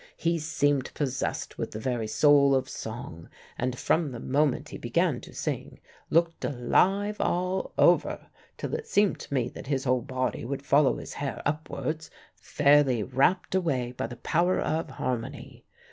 He seemed possessed with the very soul of song; and from the moment he began to sing, looked alive all over, till it seemed to me that his whole body would follow his hair upwards, fairly rapt away by the power of harmony.